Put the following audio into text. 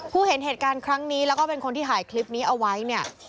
เห็นเหตุการณ์ครั้งนี้แล้วก็เป็นคนที่ถ่ายคลิปนี้เอาไว้เนี่ย